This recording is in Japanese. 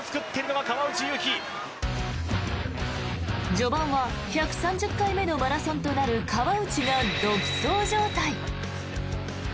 序盤は１３０回目のマラソンとなる川内が独走状態。